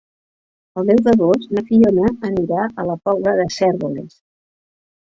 El deu d'agost na Fiona anirà a la Pobla de Cérvoles.